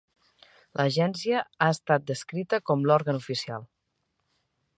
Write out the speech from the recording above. L'agència ha estat descrita com l'òrgan oficial.